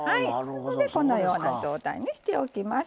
こんなような状態にしておきます。